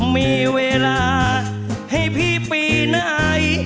มีเวลาให้พี่ปีไหน